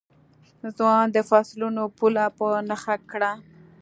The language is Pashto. ځوان د فصلونو پوله په نښه کړه.